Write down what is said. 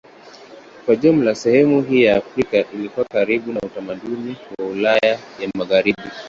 Kwa jumla sehemu hii ya Afrika ilikuwa karibu na utamaduni wa Ulaya ya Magharibi.